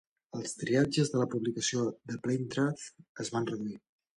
Els tiratges de la publicació "The Plain Truth" es van reduir.